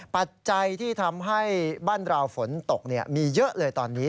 ปัจจัยที่ทำให้บ้านเราฝนตกมีเยอะเลยตอนนี้